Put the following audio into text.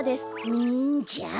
ふんじゃあ。